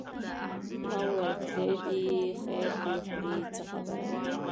ما وویل خدای دې خیر پېښ کړي څه خبره ده.